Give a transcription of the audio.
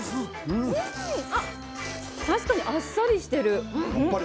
確かに、あっさりしている。